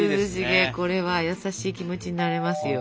これは優しい気持ちになれますよ。